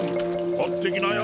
買ってきなよ